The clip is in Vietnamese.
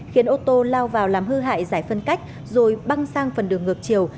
khiến ô tô lao vào làm hư hại giải phân cách rồi băng sang phần đường ngược chiều